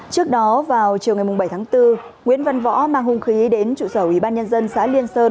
trước đó vào chiều ngày bảy tháng bốn nguyễn văn võ mang hung khí đến trụ sở ủy ban nhân dân xã liên sơn